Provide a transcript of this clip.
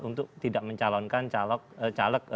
untuk tidak mencalonkan caleg